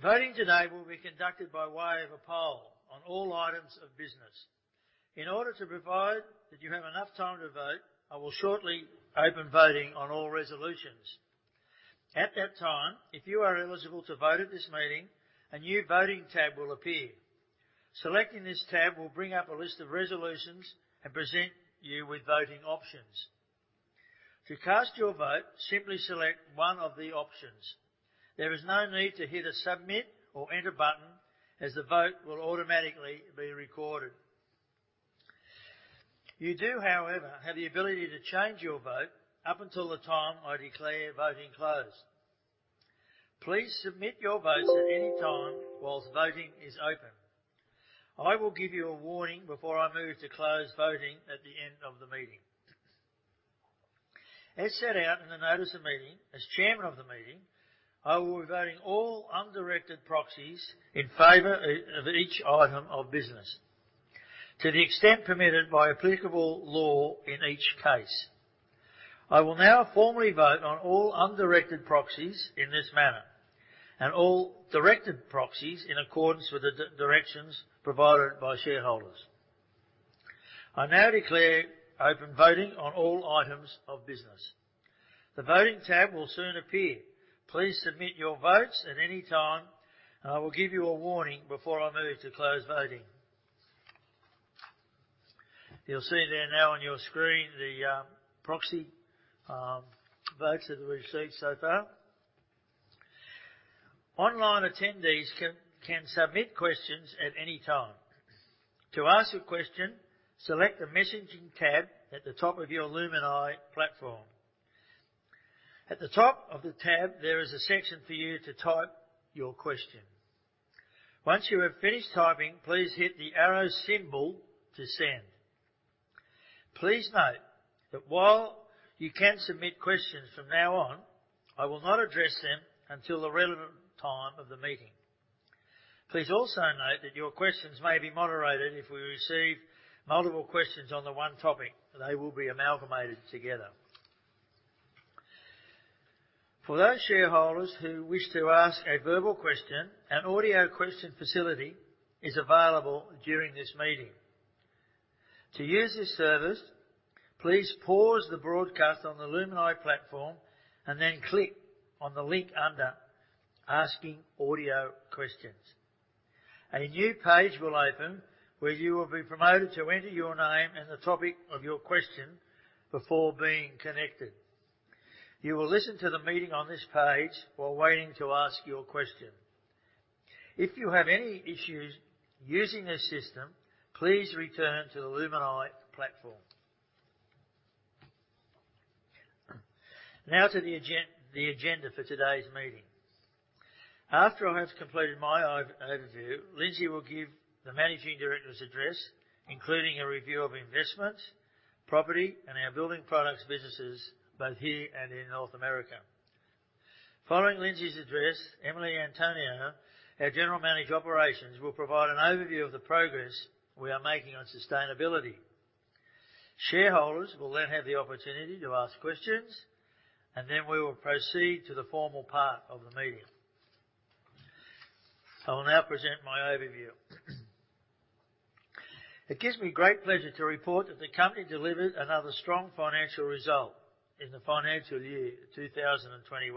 Voting today will be conducted by way of a poll on all items of business. In order to provide that you have enough time to vote, I will shortly open voting on all resolutions. At that time, if you are eligible to vote at this meeting, a new Voting tab will appear. Selecting this tab will bring up a list of resolutions and present you with voting options. To cast your vote, simply select one of the options. There is no need to hit a Submit or Enter button, as the vote will automatically be recorded. You do, however, have the ability to change your vote up until the time I declare voting closed. Please submit your votes at any time whilst voting is open. I will give you a warning before I move to close voting at the end of the meeting. As set out in the notice of meeting, as chairman of the meeting, I will be voting all undirected proxies in favor of each item of business to the extent permitted by applicable law in each case. I will now formally vote on all undirected proxies in this manner, and all directed proxies in accordance with the directions provided by shareholders. I now declare open voting on all items of business. The Voting tab will soon appear. Please submit your votes at any time, and I will give you a warning before I move to close voting. You'll see there now on your screen the proxy votes that we've received so far. Online attendees can submit questions at any time. To ask a question, select the Messaging tab at the top of your Lumi platform. At the top of the tab, there is a section for you to type your question. Once you have finished typing, please hit the arrow symbol to send. Please note that while you can submit questions from now on, I will not address them until the relevant time of the meeting. Please also note that your questions may be moderated if we receive multiple questions on the one topic. They will be amalgamated together. For those shareholders who wish to ask a verbal question, an audio question facility is available during this meeting. To use this service, please pause the broadcast on the Lumi platform and then click on the link under Asking Audio Questions. A new page will open where you will be prompted to enter your name and the topic of your question before being connected. Now to the agenda for today's meeting. After I have completed my overview, Lindsay will give the Managing Director's address, including a review of investments, property, and our building products businesses, both here and in North America. Following Lindsay's address, Emily Antonio, our General Manager, Operations, will provide an overview of the progress we are making on sustainability. Shareholders will then have the opportunity to ask questions, and then we will proceed to the formal part of the meeting. I will now present my overview. It gives me great pleasure to report that the company delivered another strong financial result in the financial year 2021,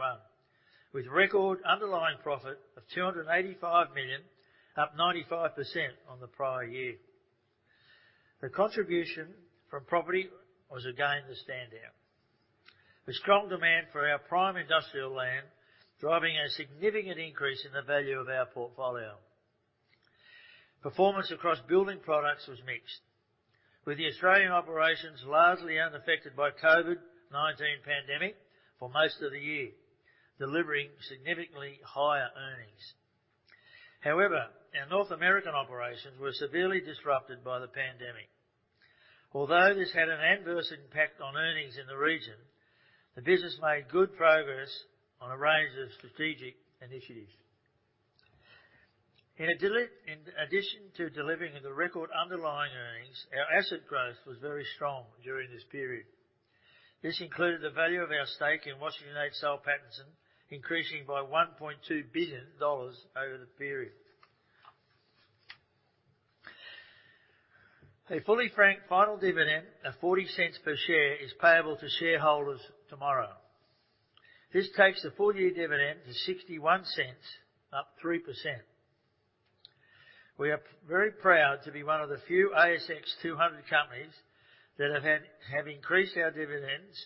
with record underlying profit of 285 million, up 95% on the prior year. The contribution from property was again the standout. The strong demand for our prime industrial land driving a significant increase in the value of our portfolio. Performance across building products was mixed, with the Australian operations largely unaffected by COVID-19 pandemic for most of the year, delivering significantly higher earnings. However, our North American operations were severely disrupted by the pandemic. Although this had an adverse impact on earnings in the region, the business made good progress on a range of strategic initiatives. In addition to delivering the record underlying earnings, our asset growth was very strong during this period. This included the value of our stake in Washington H. Soul Pattinson increasing by 1.2 billion dollars over the period. A fully frank final dividend of 0.40 per share is payable to shareholders tomorrow. This takes the full-year dividend to 0.61, up 3%. We are very proud to be one of the few ASX 200 companies that have increased our dividends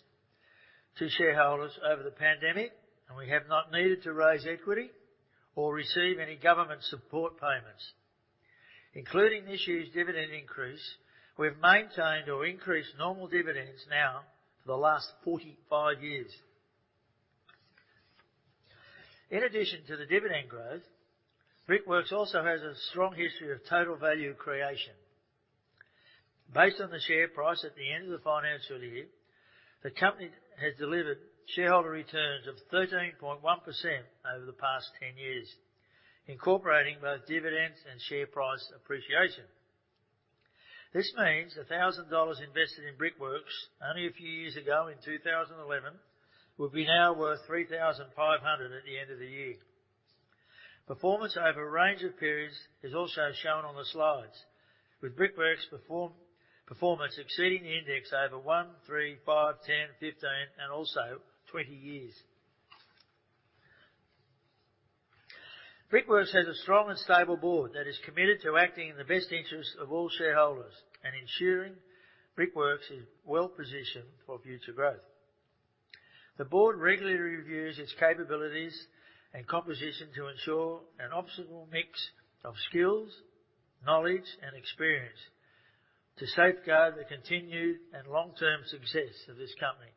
to shareholders over the pandemic, and we have not needed to raise equity or receive any government support payments. Including this year's dividend increase, we've maintained or increased normal dividends now for the last 45 years. In addition to the dividend growth, Brickworks also has a strong history of total value creation. Based on the share price at the end of the financial year, the company has delivered shareholder returns of 13.1% over the past 10 years, incorporating both dividends and share price appreciation. This means 1,000 dollars invested in Brickworks only a few years ago in 2011, will now be worth 3,500 at the end of the year. Performance over a range of periods is also shown on the slides, with Brickworks performance exceeding the index over one, three, five, 10, 15, and also 20 years. Brickworks has a strong and stable board that is committed to acting in the best interest of all shareholders and ensuring Brickworks is well-positioned for future growth. The board regularly reviews its capabilities and composition to ensure an optimal mix of skills, knowledge and experience to safeguard the continued and long-term success of this company.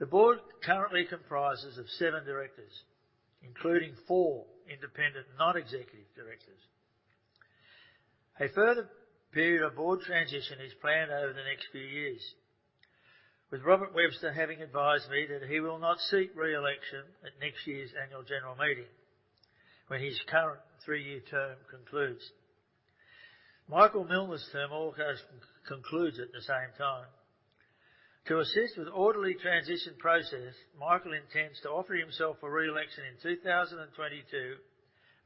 The board currently comprises of seven directors, including four independent non-executive directors. A further period of board transition is planned over the next few years, with Robert Webster having advised me that he will not seek re-election at next year's annual general meeting when his current three-year term concludes. Michael Millner's term also concludes at the same time. To assist with orderly transition process, Michael intends to offer himself for re-election in 2022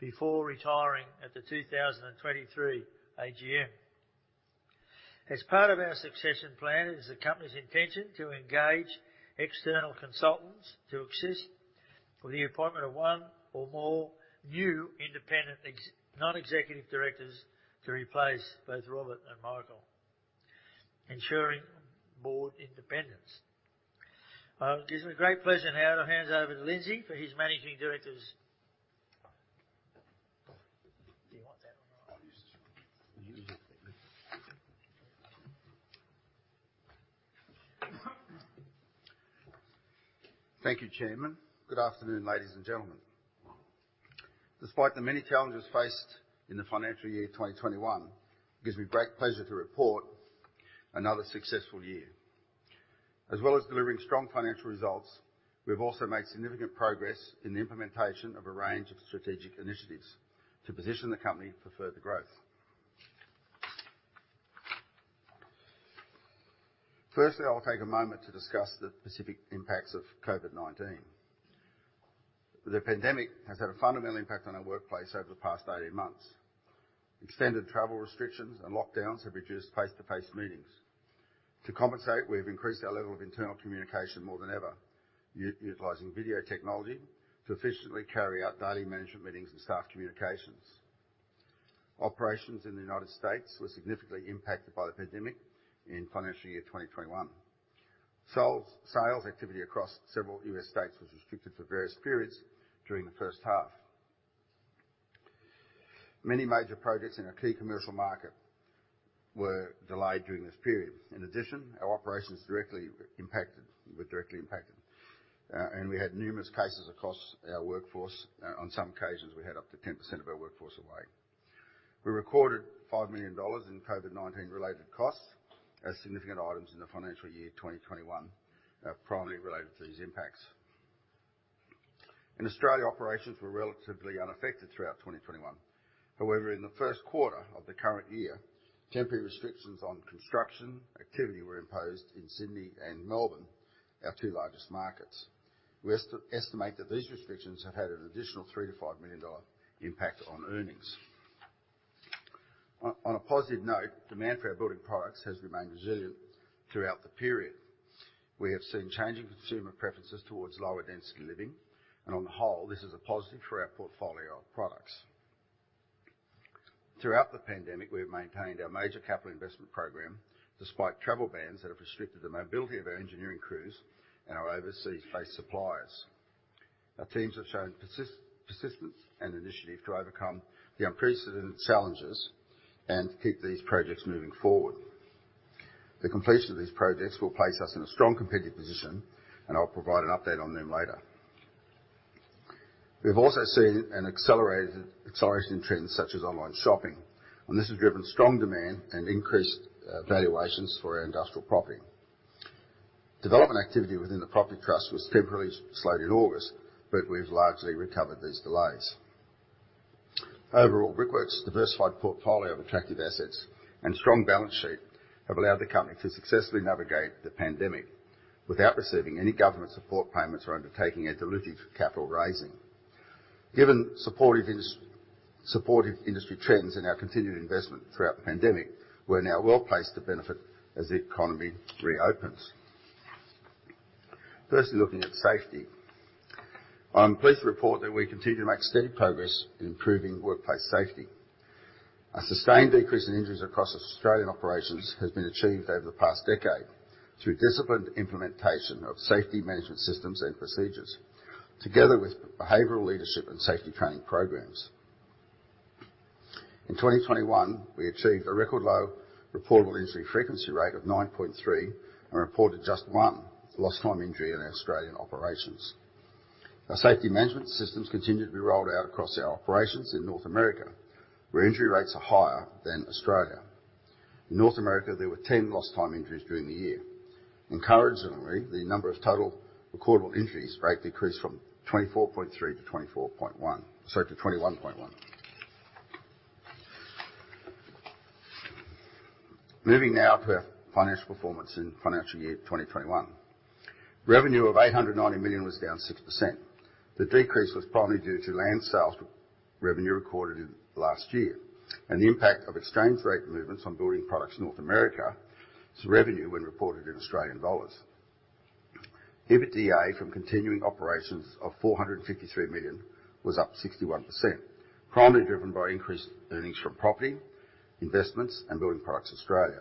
before retiring at the 2023 AGM. As part of our succession plan, it is the company's intention to engage external consultants to assist with the appointment of one or more new independent non-executive directors to replace both Robert and Michael, ensuring board independence. It gives me great pleasure now to hand over to Lindsay for his managing director's. I'll use this one. You use it. Thank you, Chairman. Good afternoon, ladies and gentlemen. Despite the many challenges faced in the financial year of 2021, it gives me great pleasure to report another successful year. As well as delivering strong financial results, we've also made significant progress in the implementation of a range of strategic initiatives to position the company for further growth. First, I will take a moment to discuss the specific impacts of COVID-19. The pandemic has had a fundamental impact on our workplace over the past 18 months. Extended travel restrictions and lockdowns have reduced face-to-face meetings. To compensate, we have increased our level of internal communication more than ever, utilizing video technology to efficiently carry out daily management meetings and staff communications. Operations in the United States were significantly impacted by the pandemic in financial year 2021. Sales activity across several U.S. states was restricted for various periods during the first half. Many major projects in our key commercial market were delayed during this period. In addition, our operations were directly impacted, and we had numerous cases across our workforce. On some occasions, we had up to 10% of our workforce away. We recorded 5 million dollars in COVID-19 related costs as significant items in the financial year 2021, primarily related to these impacts. In Australia, operations were relatively unaffected throughout 2021. However, in the first quarter of the current year, temporary restrictions on construction activity were imposed in Sydney and Melbourne, our two largest markets. We estimate that these restrictions have had an additional 3 million-5 million dollar impact on earnings. On a positive note, demand for our building products has remained resilient throughout the period. We have seen changing consumer preferences towards lower density living, and on the whole, this is a positive for our portfolio of products. Throughout the pandemic, we have maintained our major capital investment program despite travel bans that have restricted the mobility of our engineering crews and our overseas-faced suppliers. Our teams have shown persistence and initiative to overcome the unprecedented challenges and keep these projects moving forward. The completion of these projects will place us in a strong competitive position, and I'll provide an update on them later. We've also seen an accelerated acceleration in trends such as online shopping, and this has driven strong demand and increased valuations for our industrial property. Development activity within the property trust was temporarily slowed in August, but we've largely recovered these delays. Overall, Brickworks' diversified portfolio of attractive assets and strong balance sheet have allowed the company to successfully navigate the pandemic without receiving any government support payments or undertaking a dilutive capital raising. Given supportive industry trends and our continued investment throughout the pandemic, we're now well-placed to benefit as the economy reopens. Firstly, looking at safety. I'm pleased to report that we continue to make steady progress in improving workplace safety. A sustained decrease in injuries across Australian operations has been achieved over the past decade through disciplined implementation of safety management systems and procedures, together with behavioral leadership and safety training programs. In 2021, we achieved a record low reportable injury frequency rate of 9.3, and reported just one lost time injury in our Australian operations. Our safety management systems continue to be rolled out across our operations in North America, where injury rates are higher than Australia. In North America, there were 10 lost time injuries during the year. Encouragingly, the number of total recordable injuries rate decreased from 24.3 to 21.1. Moving now to our financial performance in financial year 2021. Revenue of 890 million was down 6%. The decrease was primarily due to land sales with revenue recorded in last year, and the impact of exchange rate movements on Building Products North America's revenue when reported in Australian dollars. EBITDA from continuing operations of 453 million was up 61%, primarily driven by increased earnings from property, investments, and Building Products Australia.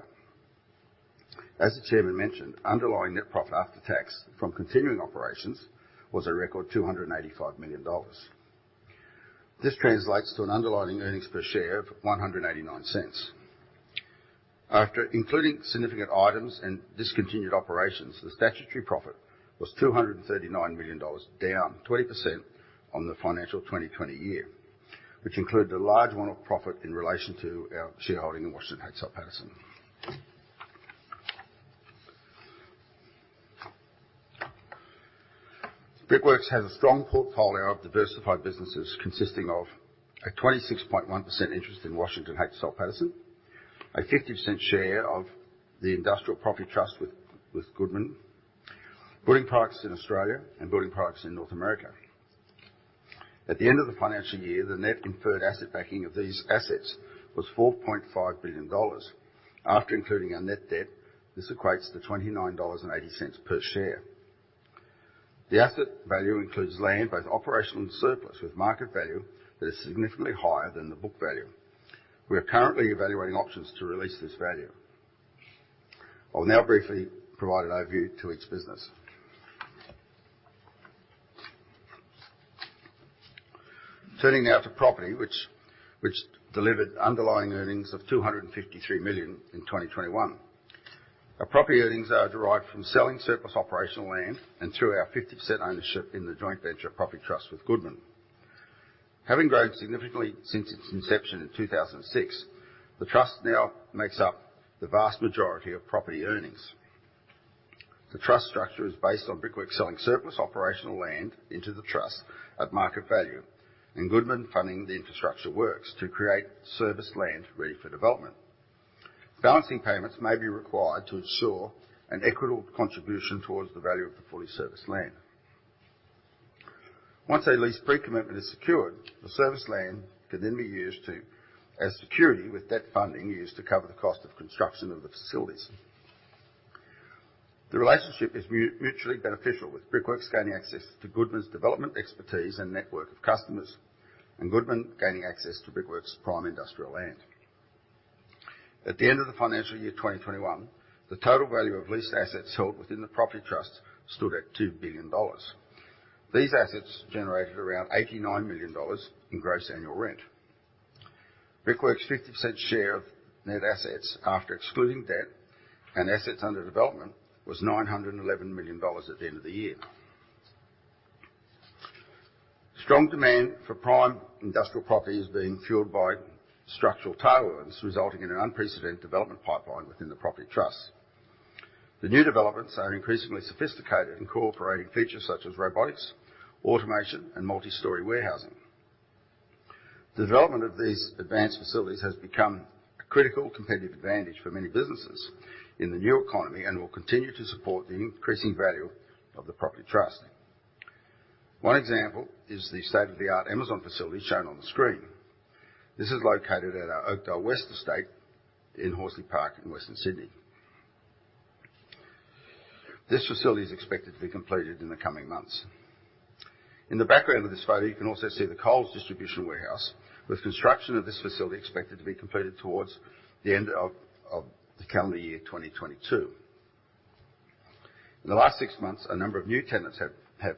As the chairman mentioned, underlying net profit after tax from continuing operations was a record $285 million. This translates to an underlying earnings per share of 1.89. After including significant items and discontinued operations, the statutory profit was $239 million, down 20% on the FY 2020, which included a large one-off profit in relation to our shareholding in Washington H. Soul Pattinson. Brickworks has a strong portfolio of diversified businesses, consisting of a 26.1% interest in Washington H. Soul Pattinson, a 50% share of the industrial property trust with Goodman, Building Products in Australia, and Building Products in North America. At the end of the financial year, the net inferred asset backing of these assets was $4.5 billion. After including our net debt, this equates to $29.80 per share. The asset value includes land, both operational and surplus, with market value that is significantly higher than the book value. We are currently evaluating options to release this value. I'll now briefly provide an overview to each business. Turning now to property, which delivered underlying earnings of 253 million in 2021. Our property earnings are derived from selling surplus operational land and through our 50% ownership in the joint venture property trust with Goodman. Having grown significantly since its inception in 2006, the trust now makes up the vast majority of property earnings. The trust structure is based on Brickworks selling surplus operational land into the trust at market value, and Goodman funding the infrastructure works to create serviced land ready for development. Balancing payments may be required to ensure an equitable contribution towards the value of the fully serviced land. Once a lease pre-commitment is secured, the serviced land can then be used as security with debt funding used to cover the cost of construction of the facilities. The relationship is mutually beneficial, with Brickworks gaining access to Goodman's development expertise and network of customers, and Goodman gaining access to Brickworks' prime industrial land. At the end of the financial year 2021, the total value of leased assets held within the property trust stood at $2 billion. These assets generated around $89 million in gross annual rent. Brickworks' 50% share of net assets, after excluding debt and assets under development, was $911 million at the end of the year. Strong demand for prime industrial property is being fueled by structural tailwinds, resulting in an unprecedented development pipeline within the property trust. The new developments are increasingly sophisticated, incorporating features such as robotics, automation, and multi-story warehousing. The development of these advanced facilities has become a critical competitive advantage for many businesses in the new economy and will continue to support the increasing value of the property trust. One example is the state-of-the-art Amazon facility shown on the screen. This is located at our Oakdale West estate in Horsley Park in Western Sydney. This facility is expected to be completed in the coming months. In the background of this photo, you can also see the Coles distribution warehouse, with construction of this facility expected to be completed towards the end of the calendar year 2022. In the last six months, a number of new tenants have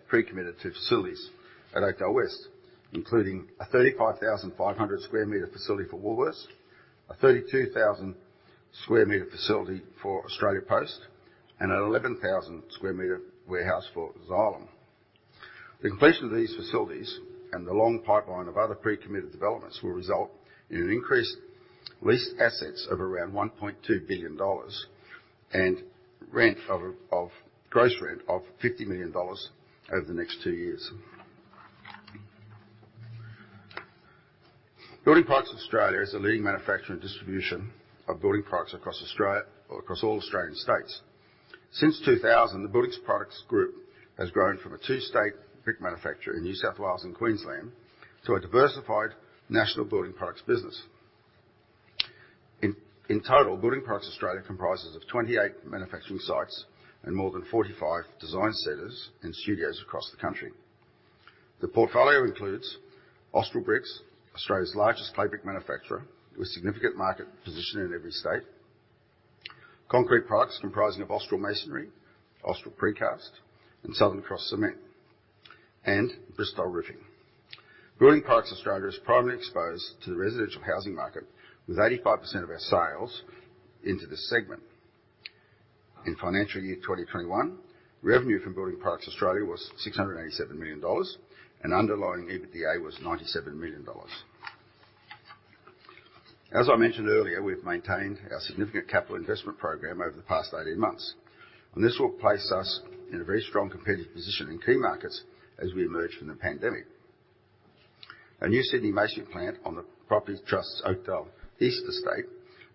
pre-committed to facilities at Oakdale West, including a 35,500 sq m facility for Woolworths, a 32,000 sq m facility for Australia Post, and an 11,000 sq m warehouse for Xylem. The completion of these facilities and the long pipeline of other pre-committed developments will result in an increased leased assets of around $1.2 billion and rent of gross rent of $50 million over the next two years. Building Products Australia is a leading manufacturer and distribution of building products across Australia or across all Australian states. Since 2000, the Building Products group has grown from a two-state brick manufacturer in New South Wales and Queensland to a diversified national building products business. In total, Building Products Australia comprises of 28 manufacturing sites and more than 45 design centers and studios across the country. The portfolio includes Austral Bricks, Australia's largest clay brick manufacturer, with significant market position in every state. Concrete products comprising of Austral Masonry, Austral Precast, and Southern Cross Cement, and Bristile Roofing. Building Products Australia is primarily exposed to the residential housing market with 85% of our sales into this segment. In financial year 2021, revenue from Building Products Australia was $687 million and underlying EBITDA was $97 million. As I mentioned earlier, we've maintained our significant capital investment program over the past 18 months, and this will place us in a very strong competitive position in key markets as we emerge from the pandemic. Our new Sydney masonry plant on the Property Trust's Oakdale East estate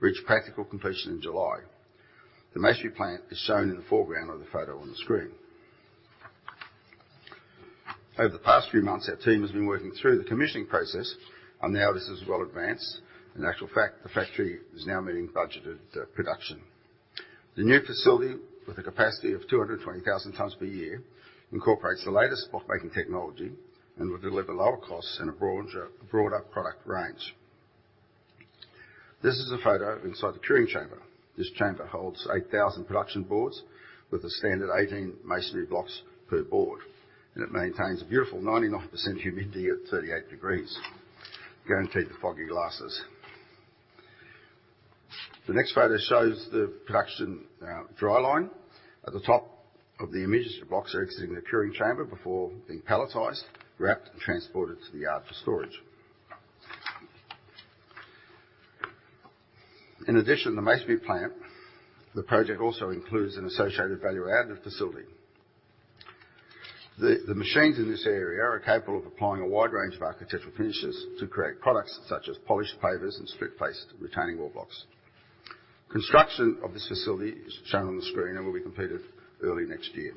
reached practical completion in July. The masonry plant is shown in the foreground of the photo on the screen. Over the past few months, our team has been working through the commissioning process, and now this is well advanced. In actual fact, the factory is now meeting budgeted production. The new facility, with a capacity of 220,000 tonnes per year, incorporates the latest block-making technology and will deliver lower costs and a broader product range. This is a photo inside the curing chamber. This chamber holds 8,000 production boards with a standard 18 masonry blocks per board, and it maintains a beautiful 99% humidity at 38 degrees, guaranteed foggy glasses. The next photo shows the production dry line. At the top of the image, the blocks are exiting the curing chamber before being palletized, wrapped, and transported to the yard for storage. In addition to the masonry plant, the project also includes an associated value-additive facility. The machines in this area are capable of applying a wide range of architectural finishes to create products such as polished pavers and split-faced retaining wall blocks. Construction of this facility is shown on the screen and will be completed early next year.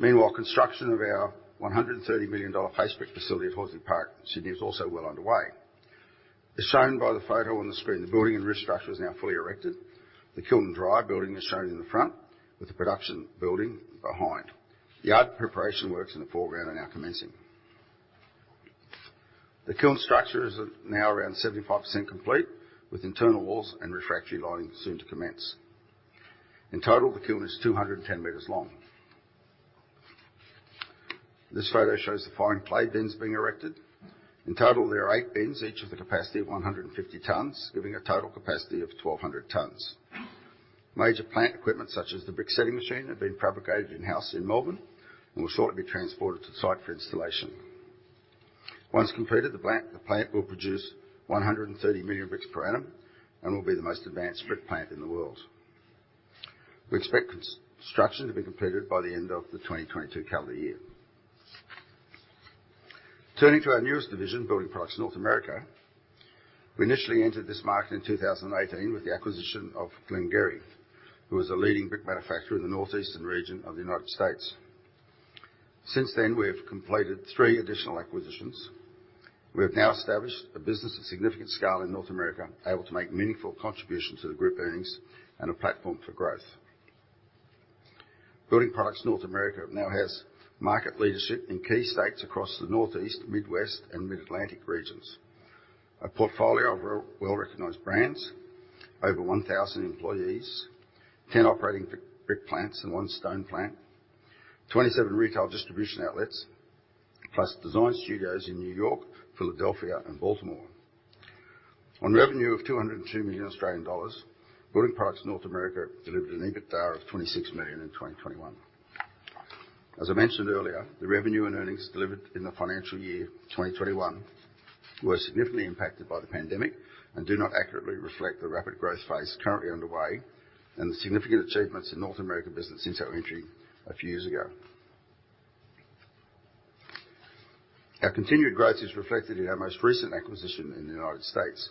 Meanwhile, construction of our 130 million face brick facility at Horsley Park, Sydney is also well underway. As shown by the photo on the screen, the building and roof structure is now fully erected. The kiln dry building is shown in the front, with the production building behind. Yard preparation works in the foreground are now commencing. The kiln structure is now around 75% complete, with internal walls and refractory lining soon to commence. In total, the kiln is 210 m long. This photo shows the firing clay bins being erected. In total, there are eight bins, each with a capacity of 150 tonnes, giving a total capacity of 1,200 tonnes. Major plant equipment, such as the brick-setting machine, have been fabricated in-house in Melbourne and will shortly be transported to site for installation. Once completed, the plant will produce 130 million bricks per annum and will be the most advanced brick plant in the world. We expect construction to be completed by the end of the 2022 calendar year. Turning to our newest division, Building Products North America. We initially entered this market in 2018 with the acquisition of Glen-Gery, who was a leading brick manufacturer in the northeastern region of the United States. Since then, we have completed three additional acquisitions. We have now established a business of significant scale in North America, able to make meaningful contributions to the group earnings and a platform for growth. Building Products North America now has market leadership in key states across the Northeast, Midwest, and Mid-Atlantic regions. A portfolio of well-recognized brands, over 1,000 employees, 10 operating brick plants and one stone plant, 27 retail distribution outlets, plus design studios in New York, Philadelphia, and Baltimore. On revenue of 202 million Australian dollars, Building Products North America delivered an EBITDA of 26 million in 2021. As I mentioned earlier, the revenue and earnings delivered in the financial year 2021 were significantly impacted by the pandemic and do not accurately reflect the rapid growth phase currently underway and the significant achievements in North America business since our entry a few years ago. Our continued growth is reflected in our most recent acquisition in the United States,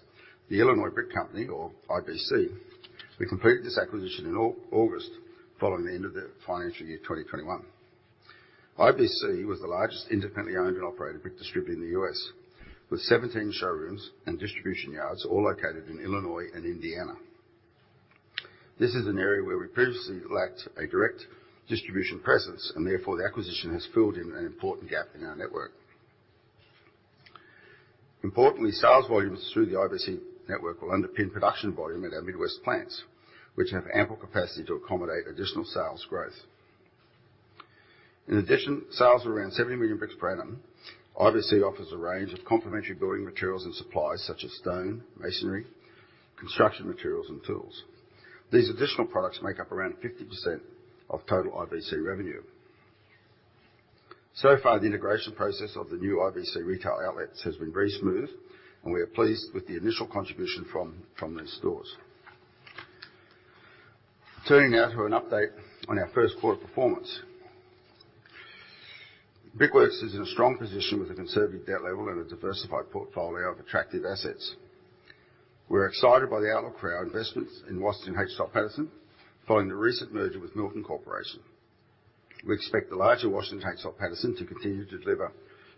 the Illinois Brick Company, or IBC. We completed this acquisition in August, following the end of the financial year 2021. IBC was the largest independently owned and operated brick distributor in the U.S., with 17 showrooms and distribution yards all located in Illinois and Indiana. This is an area where we previously lacked a direct distribution presence, and therefore, the acquisition has filled in an important gap in our network. Importantly, sales volumes through the IBC network will underpin production volume at our Midwest plants, which have ample capacity to accommodate additional sales growth. In addition, with sales of around 70 million bricks per annum, IBC offers a range of complementary building materials and supplies such as stone, masonry, construction materials, and tools. These additional products make up around 50% of total IBC revenue. So far, the integration process of the new IBC retail outlets has been very smooth, and we are pleased with the initial contribution from these stores. Turning now to an update on our first quarter performance. Brickworks is in a strong position with a conservative debt level and a diversified portfolio of attractive assets. We're excited by the outlook for our investments in Washington H. Soul Pattinson following the recent merger with Milton Corporation. We expect the larger Washington H. Soul Pattinson to continue to deliver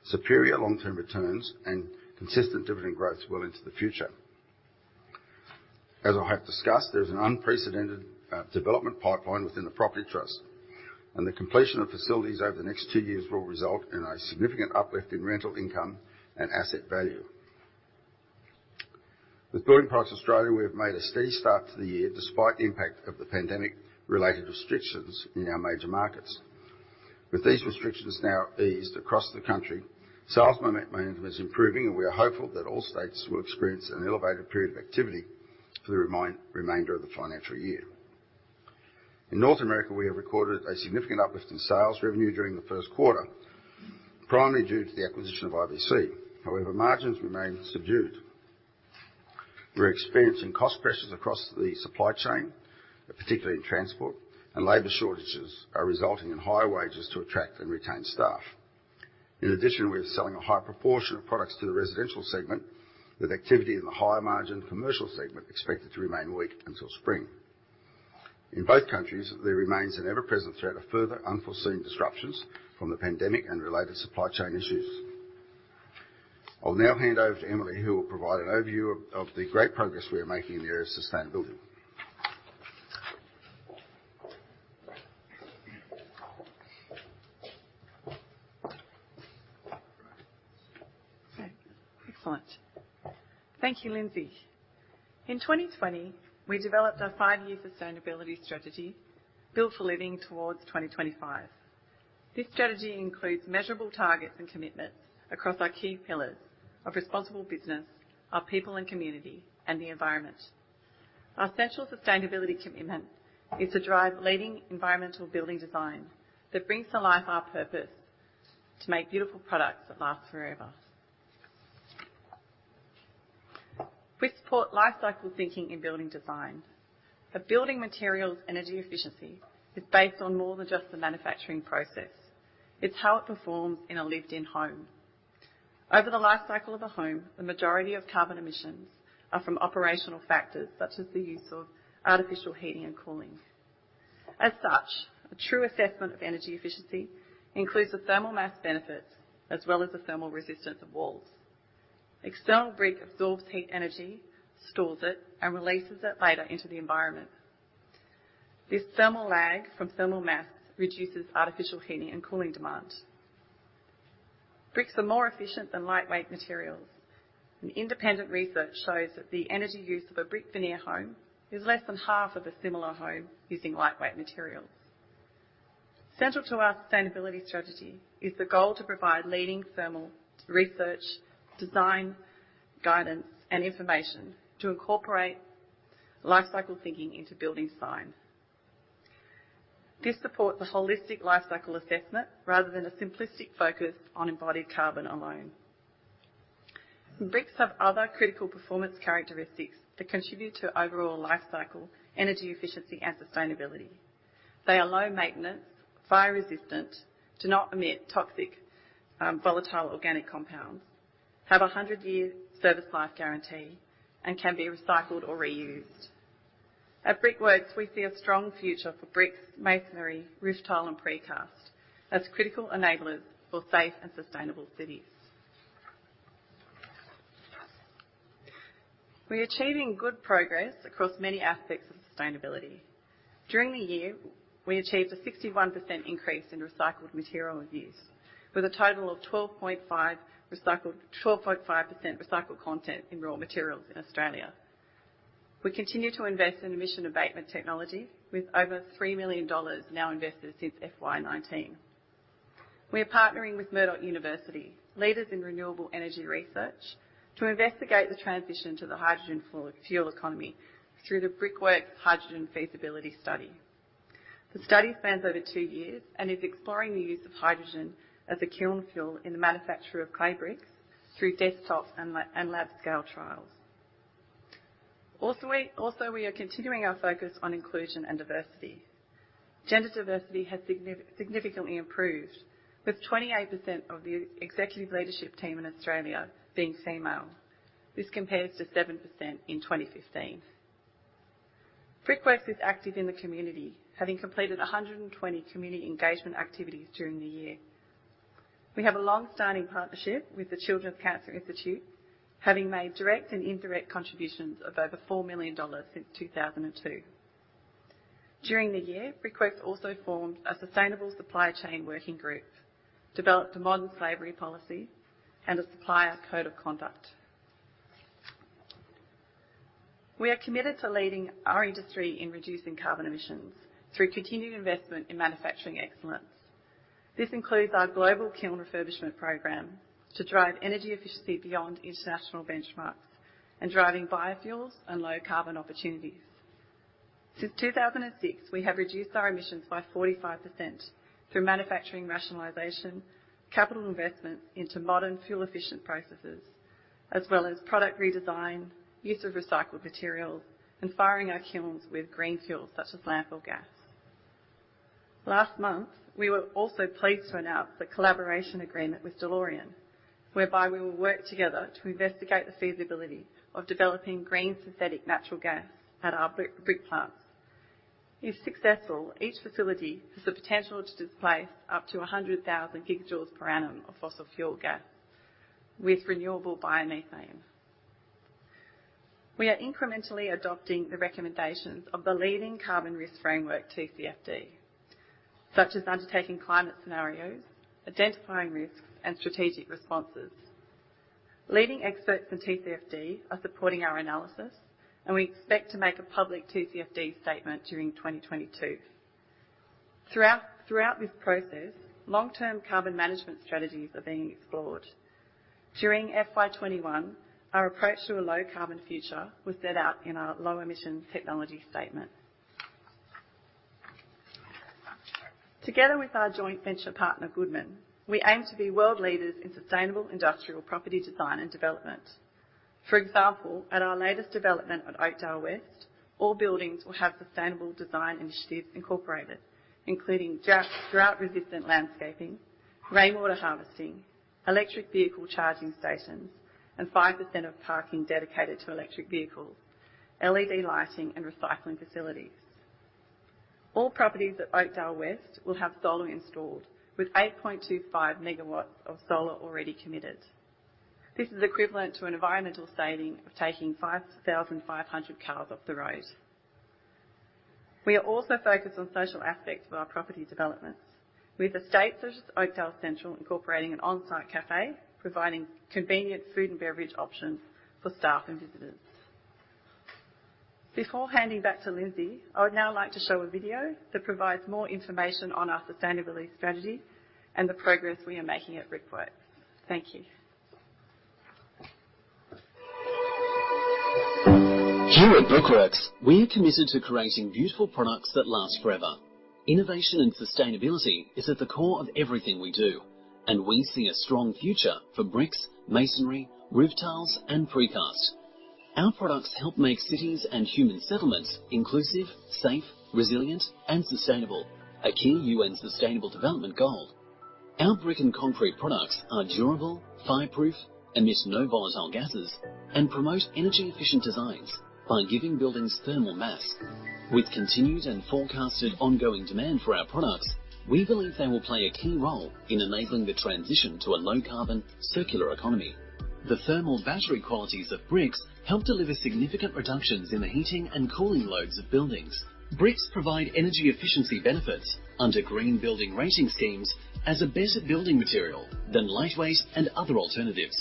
superior long-term returns and consistent dividend growth well into the future. As I have discussed, there's an unprecedented development pipeline within the Property Trust, and the completion of facilities over the next two years will result in a significant uplift in rental income and asset value. With Building Products Australia, we have made a steady start to the year despite the impact of the pandemic-related restrictions in our major markets. With these restrictions now eased across the country, sales management is improving, and we are hopeful that all states will experience an elevated period of activity for the remainder of the financial year. In North America, we have recorded a significant uplift in sales revenue during the first quarter, primarily due to the acquisition of IBC. However, margins remain subdued. We're experiencing cost pressures across the supply chain, particularly in transport, and labor shortages are resulting in higher wages to attract and retain staff. In addition, we are selling a high proportion of products to the residential segment, with activity in the higher margin commercial segment expected to remain weak until spring. In both countries, there remains an ever-present threat of further unforeseen disruptions from the pandemic and related supply chain issues. I'll now hand over to Emily, who will provide an overview of the great progress we are making in the area of sustainability. Okay. Excellent. Thank you, Lindsay. In 2020, we developed our five-year sustainability strategy, Built for Living towards 2025. This strategy includes measurable targets and commitments across our key pillars of responsible business, our people and community, and the environment. Our central sustainability commitment is to drive leading environmental building design that brings to life our purpose to make beautiful products that last forever. We support life cycle thinking in building design. A building material's energy efficiency is based on more than just the manufacturing process. It's how it performs in a lived-in home. Over the life cycle of a home, the majority of carbon emissions are from operational factors, such as the use of artificial heating and cooling. As such, a true assessment of energy efficiency includes the thermal mass benefits as well as the thermal resistance of walls. External brick absorbs heat energy, stores it, and releases it later into the environment. This thermal lag from thermal mass reduces artificial heating and cooling demand. Bricks are more efficient than lightweight materials, and independent research shows that the energy use of a brick veneer home is less than half of a similar home using lightweight materials. Central to our sustainability strategy is the goal to provide leading thermal research, design, guidance, and information to incorporate life cycle thinking into building design. This supports a holistic life cycle assessment rather than a simplistic focus on embodied carbon alone. Bricks have other critical performance characteristics that contribute to overall life cycle energy efficiency and sustainability. They are low maintenance, fire-resistant, do not emit toxic, volatile organic compounds, have a hundred-year service life guarantee, and can be recycled or reused. At Brickworks, we see a strong future for bricks, masonry, roof tile, and precast as critical enablers for safe and sustainable cities. We're achieving good progress across many aspects of sustainability. During the year, we achieved a 61% increase in recycled material use, with a total of 12.5% recycled content in raw materials in Australia. We continue to invest in emission abatement technology, with over $3 million now invested since FY 2019. We are partnering with Murdoch University, leaders in renewable energy research, to investigate the transition to the hydrogen-fueled economy through the Brickworks Hydrogen Feasibility Study. The study spans over two years and is exploring the use of hydrogen as a kiln fuel in the manufacture of clay bricks through desktop and lab-scale trials. We are continuing our focus on inclusion and diversity. Gender diversity has significantly improved, with 28% of the executive leadership team in Australia being female. This compares to 7% in 2015. Brickworks is active in the community, having completed 120 community engagement activities during the year. We have a long-standing partnership with the Children's Cancer Institute, having made direct and indirect contributions of over $4 million since 2002. During the year, Brickworks also formed a sustainable supply chain working group, developed a modern slavery policy, and a supplier code of conduct. We are committed to leading our industry in reducing carbon emissions through continued investment in manufacturing excellence. This includes our global kiln refurbishment program to drive energy efficiency beyond international benchmarks and driving biofuels and low carbon opportunities. Since 2006, we have reduced our emissions by 45% through manufacturing rationalization, capital investment into modern fuel-efficient processes, as well as product redesign, use of recycled materials, and firing our kilns with green fuels such as landfill gas. Last month, we were also pleased to announce a collaboration agreement with Delorean Corporation, whereby we will work together to investigate the feasibility of developing green synthetic natural gas at our brick plants. If successful, each facility has the potential to displace up to 100,000 gigajoules per annum of fossil fuel gas with renewable biomethane. We are incrementally adopting the recommendations of the leading carbon risk framework, TCFD, such as undertaking climate scenarios, identifying risks, and strategic responses. Leading experts in TCFD are supporting our analysis, and we expect to make a public TCFD statement during 2022. Throughout this process, long-term carbon management strategies are being explored. During FY 2021, our approach to a low carbon future was set out in our Low Emission Technology Statement. Together with our joint venture partner, Goodman, we aim to be world leaders in sustainable industrial property design and development. For example, at our latest development at Oakdale West, all buildings will have sustainable design initiatives incorporated, including drought resistant landscaping, rainwater harvesting, electric vehicle charging stations, and 5% of parking dedicated to electric vehicles, LED lighting and recycling facilities. All properties at Oakdale West will have solar installed with 8.25 MW of solar already committed. This is equivalent to an environmental saving of taking 5,500 cars off the road. We are also focused on social aspects of our property developments with estates such as Oakdale Central incorporating an on-site cafe, providing convenient food and beverage options for staff and visitors. Before handing back to Lindsay, I would now like to show a video that provides more information on our sustainability strategy and the progress we are making at Brickworks. Thank you. Here at Brickworks, we are committed to creating beautiful products that last forever. Innovation and sustainability is at the core of everything we do, and we see a strong future for bricks, masonry, roof tiles and precast. Our products help make cities and human settlements inclusive, safe, resilient and sustainable, a key UN sustainable development goal. Our brick and concrete products are durable, fireproof, emit no volatile gases, and promote energy efficient designs by giving buildings thermal mass. With continued and forecasted ongoing demand for our products, we believe they will play a key role in enabling the transition to a low carbon circular economy. The thermal battery qualities of bricks help deliver significant reductions in the heating and cooling loads of buildings. Bricks provide energy efficiency benefits under green building rating schemes as a better building material than lightweight and other alternatives.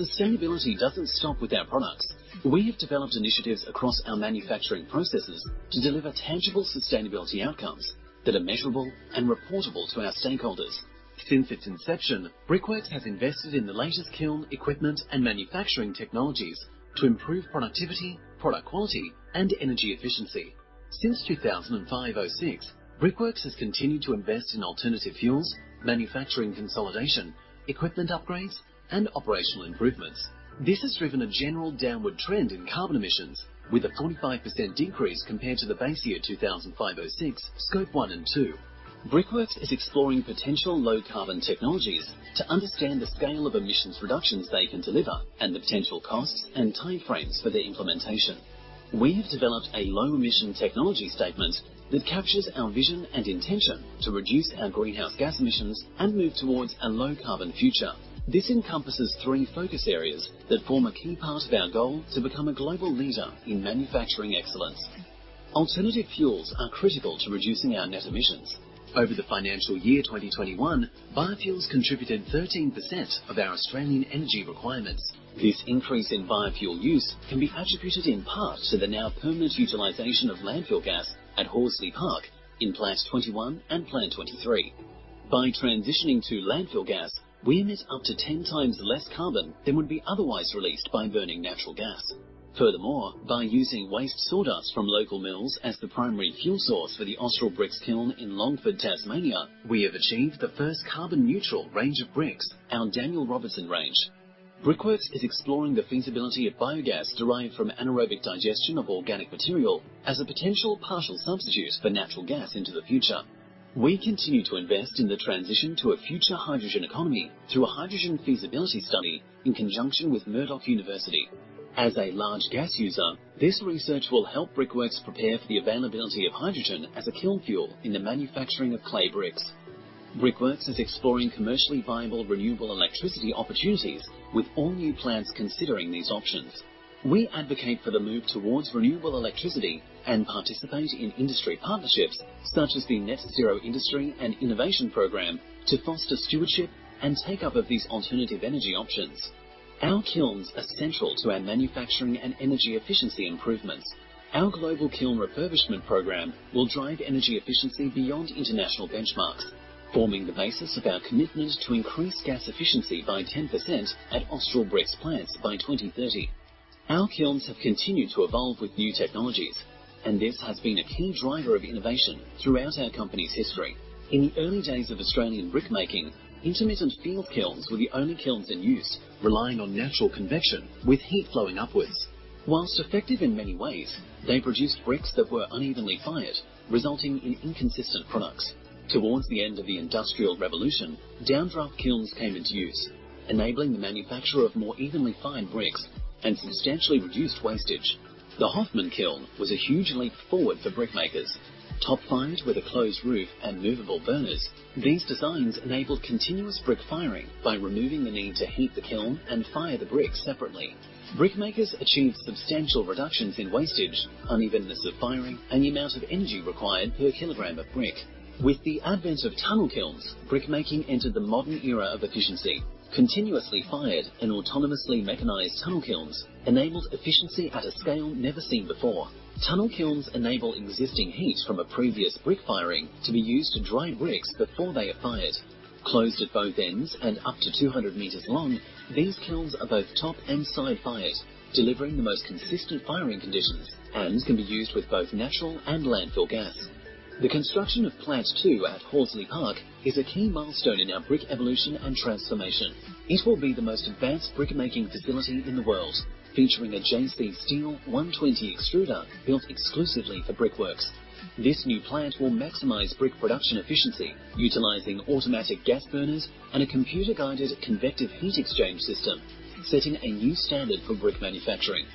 Sustainability doesn't stop with our products. We have developed initiatives across our manufacturing processes to deliver tangible sustainability outcomes that are measurable and reportable to our stakeholders. Since its inception, Brickworks has invested in the latest kiln equipment and manufacturing technologies to improve productivity, product quality and energy efficiency. Since 2006, Brickworks has continued to invest in alternative fuels, manufacturing consolidation, equipment upgrades, and operational improvements. This has driven a general downward trend in carbon emissions with a 45% decrease compared to the base year 2006, Scope one and two. Brickworks is exploring potential low carbon technologies to understand the scale of emissions reductions they can deliver and the potential costs and time frames for their implementation. We have developed a Low Emission Technology Statement that captures our vision and intention to reduce our greenhouse gas emissions and move towards a low carbon future. This encompasses three focus areas that form a key part of our goal to become a global leader in manufacturing excellence. Alternative fuels are critical to reducing our net emissions. Over the FY 2021, biofuels contributed 13% of our Australian energy requirements. This increase in biofuel use can be attributed in part to the now permanent utilization of landfill gas at Horsley Park in Plant 21 and Plant 23. By transitioning to landfill gas, we emit up to 10 times less carbon than would be otherwise released by burning natural gas. Furthermore, by using waste sawdust from local mills as the primary fuel source for the Austral Bricks kiln in Longford, Tasmania, we have achieved the first carbon neutral range of bricks. Our Daniel Robertson range. Brickworks is exploring the feasibility of biogas derived from anaerobic digestion of organic material as a potential partial substitute for natural gas into the future. We continue to invest in the transition to a future hydrogen economy through a hydrogen feasibility study in conjunction with Murdoch University. As a large gas user, this research will help Brickworks prepare for the availability of hydrogen as a kiln fuel in the manufacturing of clay bricks. Brickworks is exploring commercially viable renewable electricity opportunities with all new plants considering these options. We advocate for the move towards renewable electricity and participate in industry partnerships such as the Net Zero Industry and Innovation Program to foster stewardship and take up of these alternative energy options. Our kilns are central to our manufacturing and energy efficiency improvements. Our global kiln refurbishment program will drive energy efficiency beyond international benchmarks, forming the basis of our commitment to increase gas efficiency by 10% at Austral Bricks plants by 2030. Our kilns have continued to evolve with new technologies, and this has been a key driver of innovation throughout our company's history. In the early days of Australian brick making, intermittent field kilns were the only kilns in use relying on natural convection with heat flowing upwards. While effective in many ways, they produced bricks that were unevenly fired, resulting in inconsistent products. Towards the end of the Industrial Revolution, downdraft kilns came into use, enabling the manufacture of more evenly fired bricks and substantially reduced wastage. The Hoffmann kiln was a huge leap forward for brick makers. Top fired with a closed roof and movable burners, these designs enabled continuous brick firing by removing the need to heat the kiln and fire the bricks separately. Brick makers achieved substantial reductions in wastage, unevenness of firing, and the amount of energy required per kilogram of brick. With the advent of tunnel kilns, brick making entered the modern era of efficiency. Continuously fired and autonomously mechanized tunnel kilns enabled efficiency at a scale never seen before. Tunnel kilns enable existing heat from a previous brick firing to be used to dry bricks before they are fired. Closed at both ends and up to 200 meters long, these kilns are both top and side fired, delivering the most consistent firing conditions and can be used with both natural and landfill gas. The construction of Plant Two at Horsley Park is a key milestone in our brick evolution and transformation. It will be the most advanced brick-making facility in the world, featuring a J.C. Steele & Sons 120 extruder built exclusively for Brickworks. This new plant will maximize brick production efficiency utilizing automatic gas burners and a computer-guided convective heat exchange system, setting a new standard for brick manufacturing.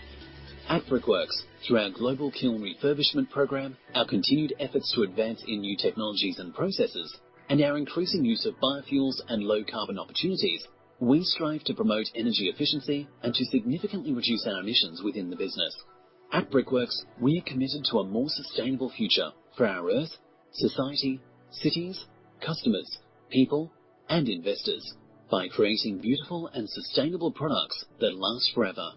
At Brickworks, through our global kiln refurbishment program, our continued efforts to advance in new technologies and processes, and our increasing use of biofuels and low carbon opportunities, we strive to promote energy efficiency and to significantly reduce our emissions within the business. At Brickworks, we are committed to a more sustainable future for our earth, society, cities, customers, people, and investors by creating beautiful and sustainable products that last forever.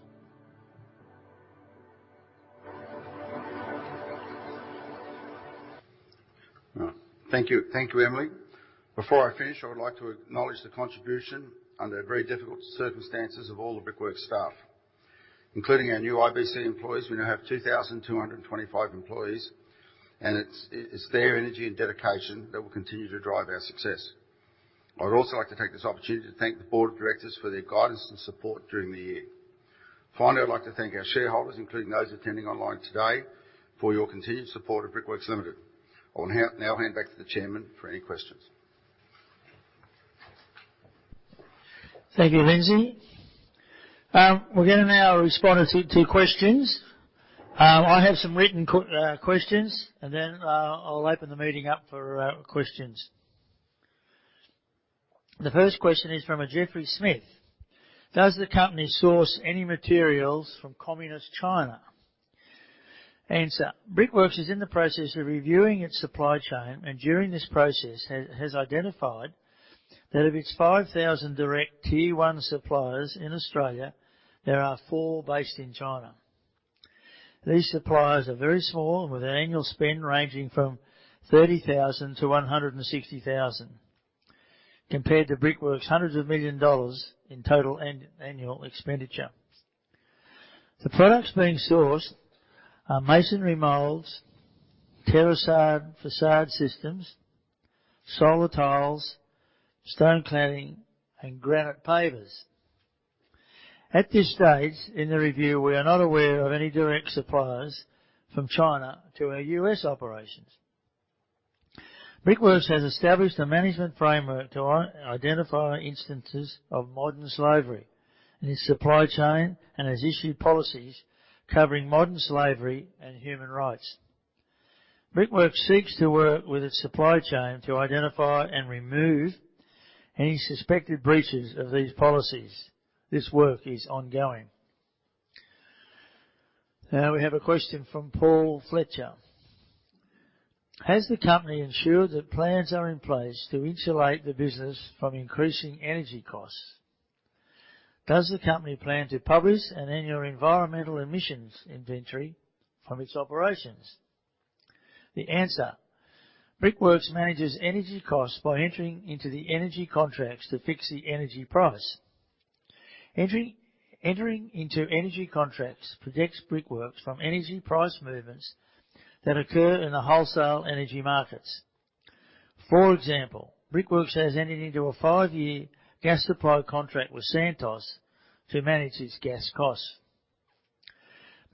Thank you. Thank you, Emily. Before I finish, I would like to acknowledge the contribution under very difficult circumstances of all the Brickworks staff, including our new IBC employees. We now have 2,225 employees, and it's their energy and dedication that will continue to drive our success. I'd also like to take this opportunity to thank the board of directors for their guidance and support during the year. Finally, I'd like to thank our shareholders, including those attending online today, for your continued support of Brickworks Limited. I'll now hand back to the chairman for any questions. Thank you, Lindsay. We're going to now respond to questions. I have some written questions, and then, I'll open the meeting up for questions. The first question is from a Geoffrey Smith. Does the company source any materials from Communist China? Answer: Brickworks is in the process of reviewing its supply chain, and during this process, has identified that of its 5,000 direct tier one suppliers in Australia, there are four based in China. These suppliers are very small and with an annual spend ranging from 30,000 to 160,000 compared to Brickworks' hundreds of millions of dollars in total annual expenditure. The products being sourced are masonry molds, Terraçade façade systems, solar tiles, stone cladding, and granite pavers. At this stage in the review, we are not aware of any direct suppliers from China to our U.S. operations. Brickworks has established a management framework to identify instances of modern slavery in its supply chain and has issued policies covering modern slavery and human rights. Brickworks seeks to work with its supply chain to identify and remove any suspected breaches of these policies. This work is ongoing. Now we have a question from Paul Fletcher. Has the company ensured that plans are in place to insulate the business from increasing energy costs? Does the company plan to publish an annual environmental emissions inventory from its operations? The answer: Brickworks manages energy costs by entering into energy contracts to fix the energy price. Entering into energy contracts protects Brickworks from energy price movements that occur in the wholesale energy markets. For example, Brickworks has entered into a five-year gas supply contract with Santos to manage its gas costs.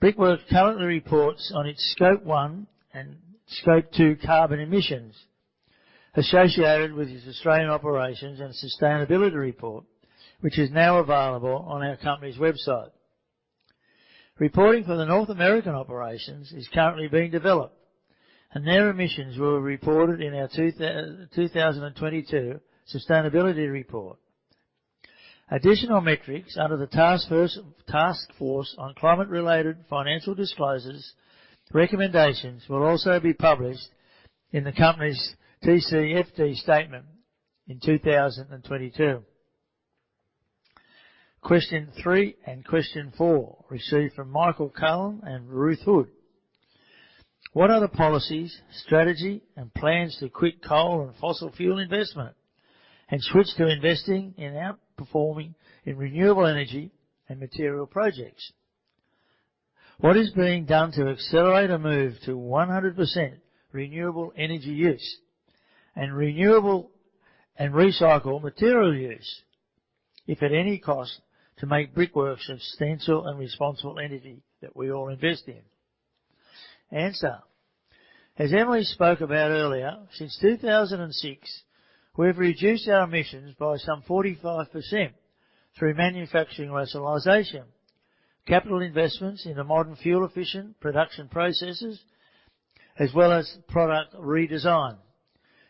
Brickworks currently reports on its Scope one and Scope two carbon emissions associated with its Australian operations and Sustainability Report, which is now available on our company's website. Reporting for the North American operations is currently being developed, and their emissions were reported in our 2022 Sustainability Report. Additional metrics under the Task Force on Climate-related Financial Disclosures recommendations will also be published in the company's TCFD statement in 2022. Question three and question four received from Michael Cullen and Ruth Hood. What are the policies, strategy, and plans to quit coal and fossil fuel investment and switch to investing in outperforming in renewable energy and material projects? What is being done to accelerate a move to 100% renewable energy use and renewable and recycled material use, if at any cost, to make Brickworks a sustainable and responsible entity that we all invest in? Answer: As Emily spoke about earlier, since 2006, we've reduced our emissions by some 45% through manufacturing rationalization, capital investments into modern, fuel-efficient production processes, as well as product redesign,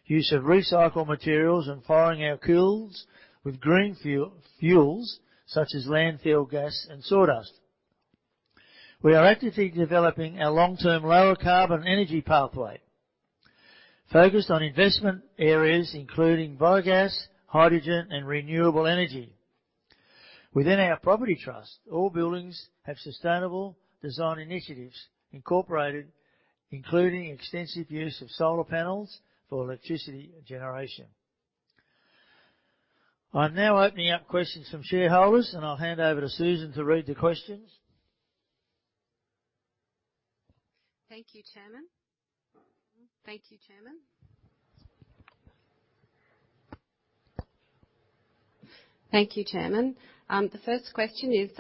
use of recycled materials, and firing our kilns with green fuel, fuels such as landfill gas and sawdust. We are actively developing our long-term lower carbon energy pathway focused on investment areas including biogas, hydrogen, and renewable energy. Within our property trust, all buildings have sustainable design initiatives incorporated, including extensive use of solar panels for electricity generation. I'm now opening up questions from shareholders, and I'll hand over to Susan to read the questions. Thank you, Chairman. The first question is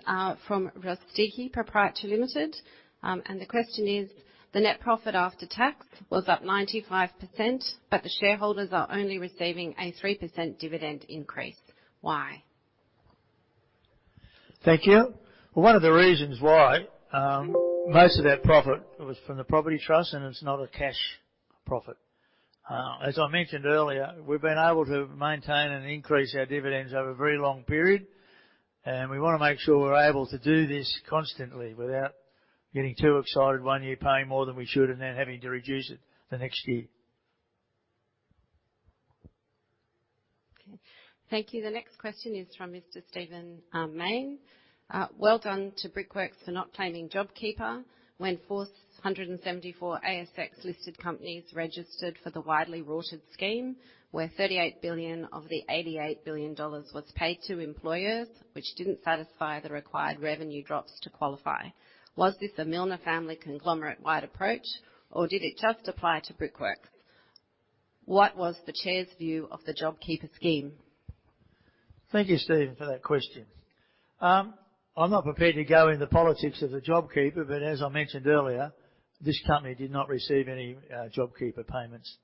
from Rostevki Proprietary Limited. The question is: The net profit after tax was up 95%, but the shareholders are only receiving a 3% dividend increase. Why? Thank you. One of the reasons why most of our profit was from the property trust, and it's not a cash profit. As I mentioned earlier, we've been able to maintain and increase our dividends over a very long period, and we want to make sure we're able to do this constantly without getting too excited one year, paying more than we should, and then having to reduce it the next year. Okay. Thank you. The next question is from Mr. Stephen Mayne. Well done to Brickworks for not claiming JobKeeper when 474 ASX-listed companies registered for the widely rorted scheme, where 38 billion of the $88 billion was paid to employers which didn't satisfy the required revenue drops to qualify. Was this a Millner family conglomerate-wide approach, or did it just apply to Brickworks? What was the Chair's view of the JobKeeper scheme? Thank you, Stephen, for that question. I'm not prepared to go in the politics of the JobKeeper, but as I mentioned earlier, this company did not receive any JobKeeper payments.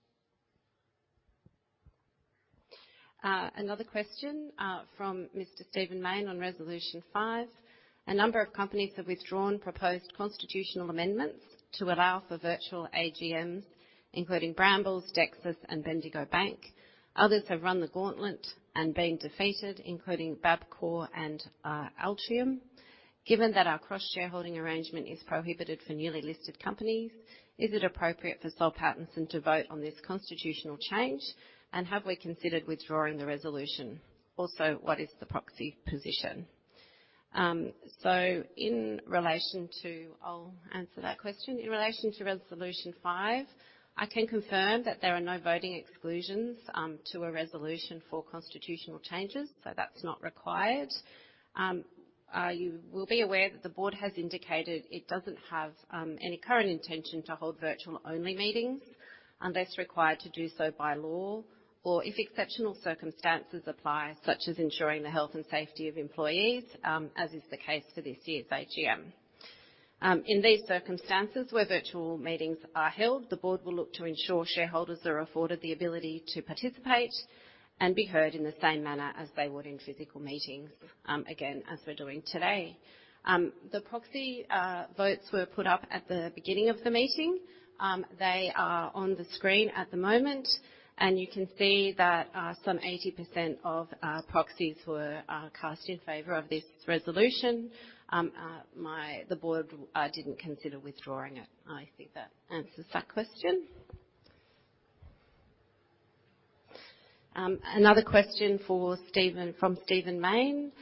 Another question from Mr. Stephen Mayne on Resolution Five. A number of companies have withdrawn proposed constitutional amendments to allow for virtual AGMs, including Brambles, Dexus, and Bendigo Bank. Others have run the gauntlet and been defeated, including Tabcorp and Altium. Given that our cross-shareholding arrangement is prohibited for newly listed companies, is it appropriate for Soul Pattinson to vote on this constitutional change? And have we considered withdrawing the resolution? Also, what is the proxy position? I'll answer that question. In relation to Resolution Five, I can confirm that there are no voting exclusions to a resolution for constitutional changes, so that's not required. You will be aware that the board has indicated it doesn't have any current intention to hold virtual only meetings unless required to do so by law or if exceptional circumstances apply, such as ensuring the health and safety of employees, as is the case for this year's AGM. In these circumstances, where virtual meetings are held, the board will look to ensure shareholders are afforded the ability to participate and be heard in the same manner as they would in physical meetings, again, as we're doing today. The proxy votes were put up at the beginning of the meeting. They are on the screen at the moment, and you can see that some 80% of proxies were cast in favor of this resolution. The board didn't consider withdrawing it. I think that answers that question. Another question from Stephen Mayne.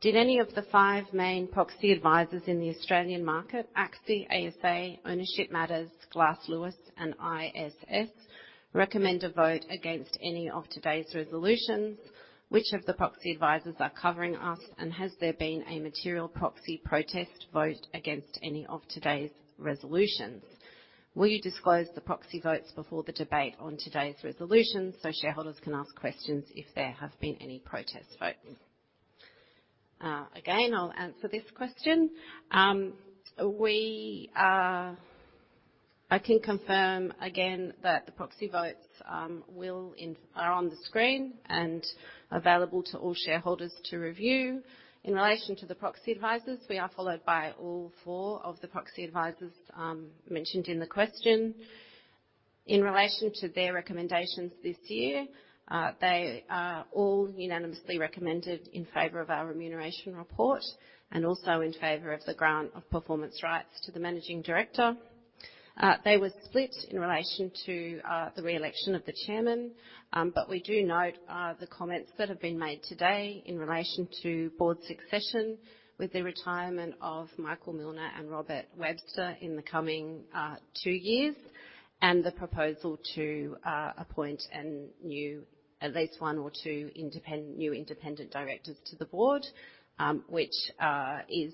Did any of the five main proxy advisors in the Australian market, ACSI, ASA, Ownership Matters, Glass Lewis, and ISS, recommend a vote against any of today's resolutions? Which of the proxy advisors are covering us? And has there been a material proxy protest vote against any of today's resolutions? Will you disclose the proxy votes before the debate on today's resolutions so shareholders can ask questions if there have been any protest votes? Again, I'll answer this question. I can confirm again that the proxy votes are on the screen and available to all shareholders to review. In relation to the proxy advisors, we are followed by all four of the proxy advisors mentioned in the question. In relation to their recommendations this year, they are all unanimously recommended in favor of our remuneration report and also in favor of the grant of performance rights to the managing director. They were split in relation to the re-election of the chairman. We do note the comments that have been made today in relation to board succession with the retirement of Michael Millner and Robert Webster in the coming two years, and the proposal to appoint a new, at least one or two new independent directors to the board, which is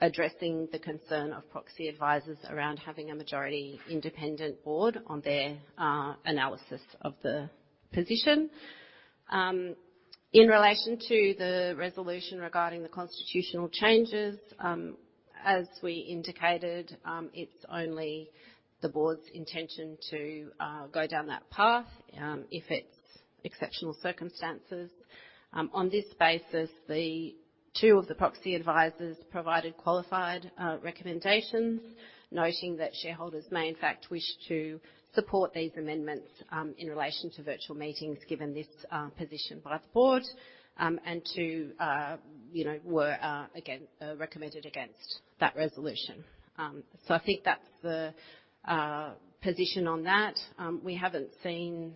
addressing the concern of proxy advisors around having a majority independent board on their analysis of the position. In relation to the resolution regarding the constitutional changes, as we indicated, it's only the board's intention to go down that path if it's exceptional circumstances. On this basis, two of the proxy advisors provided qualified recommendations, noting that shareholders may, in fact, wish to support these amendments in relation to virtual meetings, given this position by the board, and two, you know, were again recommended against that resolution. I think that's the position on that. We haven't seen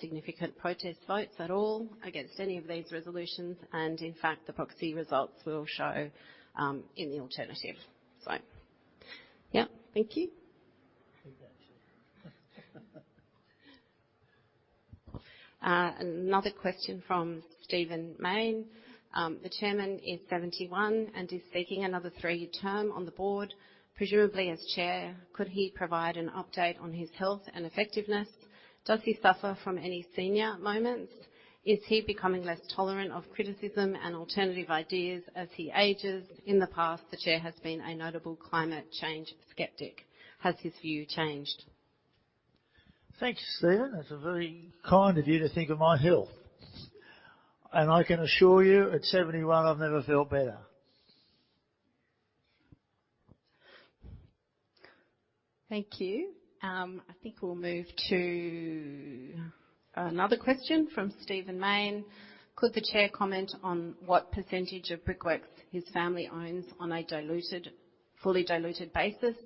significant protest votes at all against any of these resolutions, and in fact, the proxy results will show in the alternative. Yeah. Thank you. Another question from Stephen Mayne. The Chairman is 71 and is seeking another three-year term on the board, presumably as chair. Could he provide an update on his health and effectiveness? Does he suffer from any senior moments? Is he becoming less tolerant of criticism and alternative ideas as he ages? In the past, the Chair has been a notable climate change skeptic. Has his view changed? Thanks, Stephen. That's very kind of you to think of my health. I can assure you, at 71, I've never felt better. Thank you. I think we'll move to another question from Stephen Mayne. Could the chair comment on what percentage of Brickworks his family owns on a diluted, fully diluted basis?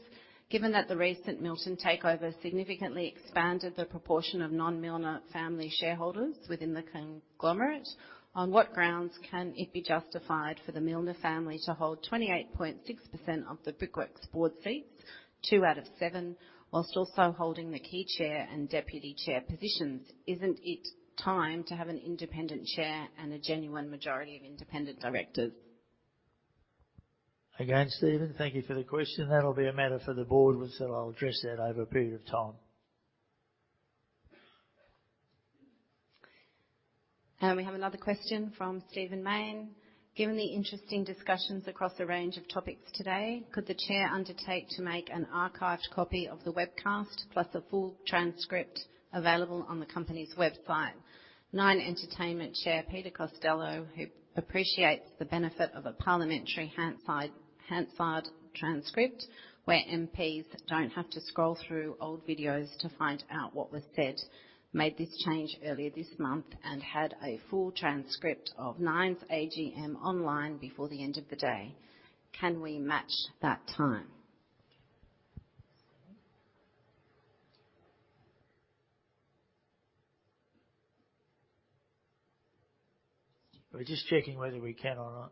Given that the recent Milton takeover significantly expanded the proportion of non-Millner family shareholders within the conglomerate, on what grounds can it be justified for the Millner family to hold 28.6% of the Brickworks board seats, two out of seven, whilst also holding the key chair and deputy chair positions? Isn't it time to have an independent chair and a genuine majority of independent directors? Again, Stephen, thank you for the question. That'll be a matter for the board, which I'll address that over a period of time. We have another question from Stephen Mayne. Given the interesting discussions across a range of topics today, could the chair undertake to make an archived copy of the webcast, plus a full transcript available on the company's website? Nine Entertainment Chair, Peter Costello, who appreciates the benefit of a parliamentary Hansard transcript, where MPs don't have to scroll through old videos to find out what was said, made this change earlier this month and had a full transcript of Nine's AGM online before the end of the day. Can we match that time? We're just checking whether we can or not.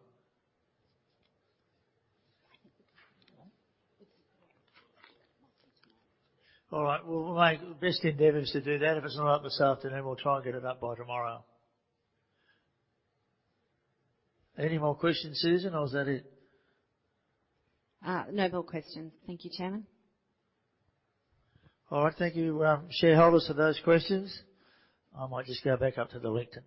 All right. We'll make best endeavors to do that. If it's not up this afternoon, we'll try and get it up by tomorrow. Any more questions, Susan, or is that it? No more questions. Thank you, Chairman. All right. Thank you, shareholders for those questions. I might just go back up to the lectern.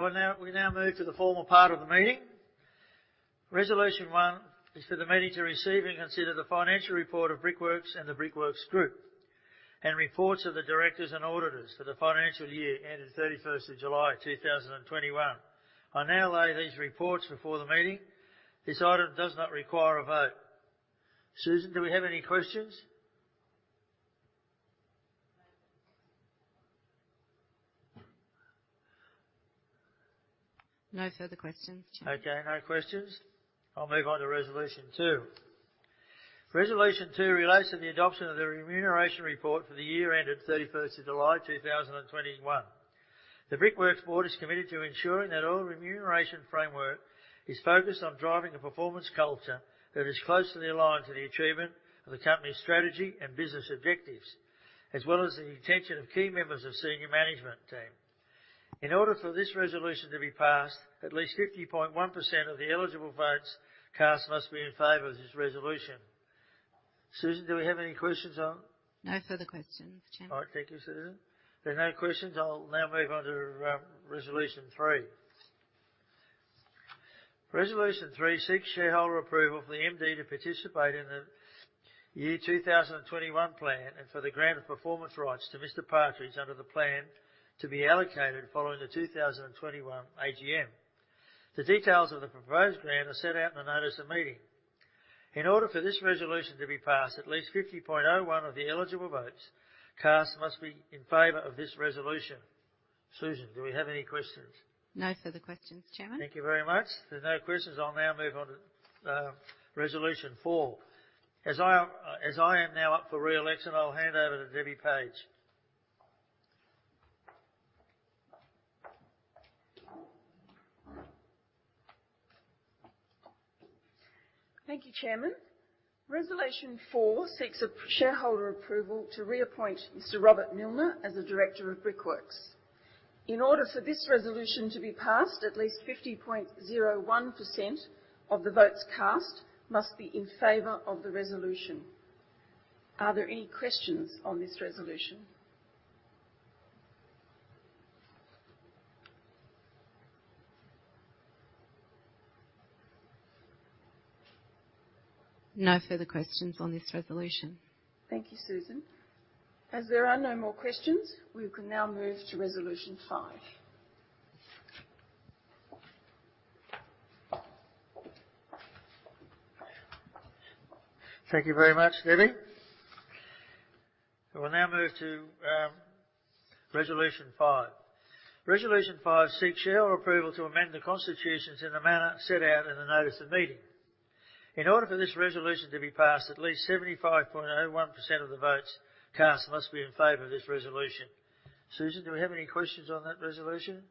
All right, we move to the formal part of the meeting. Resolution one is for the meeting to receive and consider the financial report of Brickworks and the Brickworks group, and reports of the directors and auditors for the financial year ending thirty-first of July, 2021. I now lay these reports before the meeting. This item does not require a vote. Susan, do we have any questions? No further questions, Chairman. Okay, no questions. I'll move on to resolution two. Resolution two relates to the adoption of the remuneration report for the year ended July 31, 2021. The Brickworks board is committed to ensuring that all remuneration framework is focused on driving a performance culture that is closely aligned to the achievement of the company's strategy and business objectives, as well as the retention of key members of senior management team. In order for this resolution to be passed, at least 50.1% of the eligible votes cast must be in favor of this resolution. Susan, do we have any questions on? No further questions, Chairman. All right. Thank you, Susan. If there are no questions, I'll now move on to resolution three. Resolution three seeks shareholder approval for the MD to participate in the 2021 plan and for the grant of performance rights to Mr. Partridge under the plan to be allocated following the 2021 AGM. The details of the proposed grant are set out in the notice of meeting. In order for this resolution to be passed, at least 50.01% of the eligible votes cast must be in favor of this resolution. Susan, do we have any questions? No further questions, Chairman. Thank you very much. If there are no questions, I'll now move on to resolution four. As I am now up for re-election, I'll hand over to Deborah Page. Thank you, Chairman. Resolution four seeks shareholder approval to reappoint Mr. Robert Millner as a director of Brickworks. In order for this resolution to be passed, at least 50.01% of the votes cast must be in favor of the resolution. Are there any questions on this resolution? No further questions on this resolution. Thank you, Susan. As there are no more questions, we can now move to resolution five. Thank you very much, Deborah. We'll now move to resolution five. Resolution five seeks shareholder approval to amend the constitutions in a manner set out in the notice of meeting. In order for this resolution to be passed, at least 75.01% of the votes cast must be in favor of this resolution. Susan, do we have any questions on that resolution?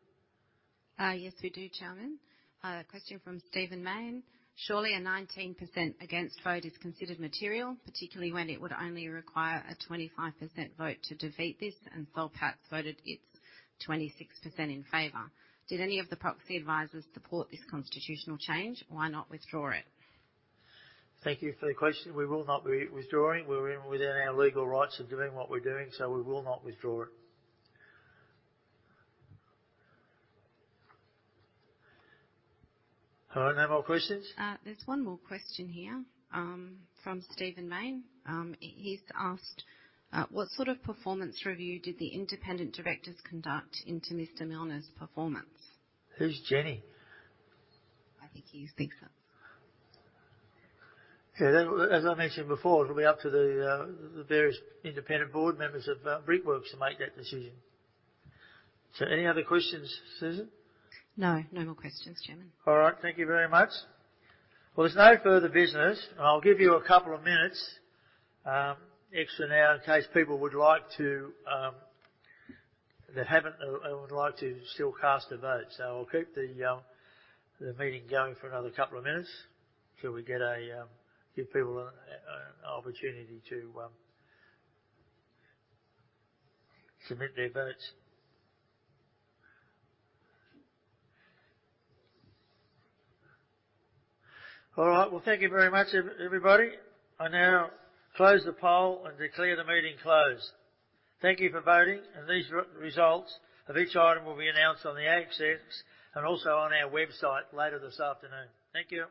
Yes, we do, Chairman. A question from Stephen Mayne. Surely a 19% against vote is considered material, particularly when it would only require a 25% vote to defeat this and Soul Pattinson voted it 26% in favor. Did any of the proxy advisors support this constitutional change? Why not withdraw it? Thank you for the question. We will not be withdrawing. We're within our legal rights of doing what we're doing, so we will not withdraw it. All right, no more questions? There's one more question here from Stephen Mayne. He's asked, "What sort of performance review did the independent directors conduct into Mr. Millner's performance? Who's Jenny? I think he thinks that. As I mentioned before, it'll be up to the various independent board members of Brickworks to make that decision. Any other questions, Susan? No, no more questions, Chairman. All right. Thank you very much. Well, there's no further business. I'll give you a couple of minutes extra now in case people that haven't would like to still cast a vote. So I'll keep the meeting going for another couple of minutes, give people an opportunity to submit their votes. All right. Well, thank you very much, everybody. I now close the poll and declare the meeting closed. Thank you for voting, and these results of each item will be announced on the ASX and also on our website later this afternoon. Thank you.